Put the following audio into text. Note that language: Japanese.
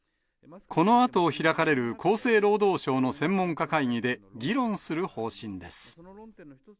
このあと開かれる厚生労働省の専門家会議で議論する方針です。